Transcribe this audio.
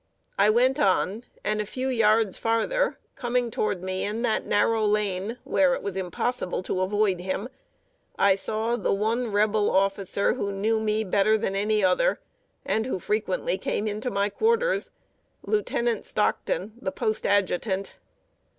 I went on, and a few yards farther, coming toward me in that narrow lane, where it was impossible to avoid him, I saw the one Rebel officer who knew me better than any other, and who frequently came into my quarters Lieutenant Stockton, the Post Adjutant.